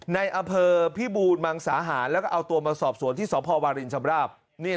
ในอำเภอพิบูรมังสาหารแล้วก็เอาตัวมาสอบสวนที่สพวารินชำราบ